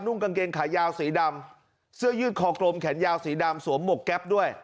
่งกางเกงขายาวสีดำเสื้อยืดคอกลมแขนยาวสีดำสวมหมวกแก๊ปด้วย